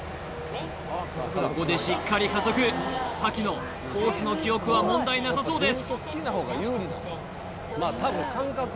ここでしっかり加速瀧野コースの記憶は問題なさそうです